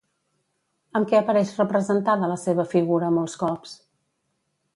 Amb què apareix representada la seva figura molts cops?